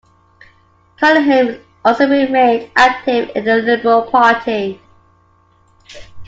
Cunningham also remained active in the Liberal Party.